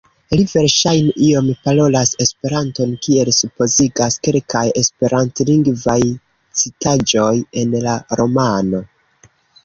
Li verŝajne iom parolas Esperanton, kiel supozigas kelkaj esperantlingvaj citaĵoj en la romano.